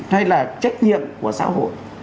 hay là trách nhiệm của xã hội